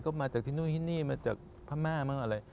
ก็มาจากที่นู่นที่นี่มาจากพม่าบ้างอะไร